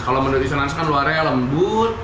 kalo mendut isi nanas kan luarnya lembut